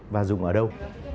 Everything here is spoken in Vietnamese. và dùng ở đâu